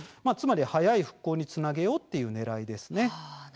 早い復興につなげようというねらいです。